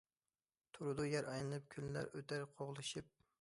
تۇرىدۇ يەر ئايلىنىپ، كۈنلەر ئۆتەر قوغلىشىپ.